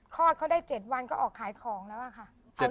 คลอดเขาได้๗วันก็ออกขายของแล้วอะค่ะ